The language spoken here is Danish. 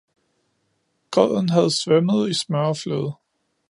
Grøden havde svømmet i smør og fløde